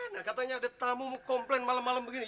nah katanya ada tamu komplain malam malam begini